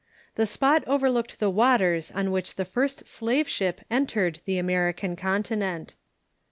"The spot overlooked the waters on which the first slave ship entered the American continent."